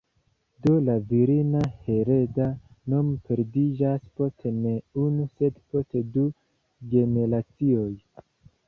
Do la virina hereda nomo perdiĝas post ne unu sed post du generacioj.